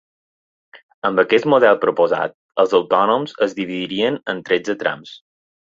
Amb aquest model proposat, els autònoms es dividirien en tretze trams.